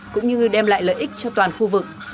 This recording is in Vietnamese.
cũng như đem lại lợi ích cho toàn khu vực